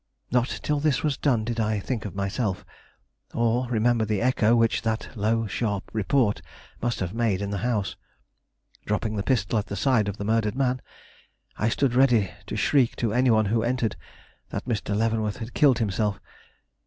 Not till this was done did I think of myself, or remember the echo which that low, sharp report must have made in the house. Dropping the pistol at the side of the murdered man, I stood ready to shriek to any one who entered that Mr. Leavenworth had killed himself.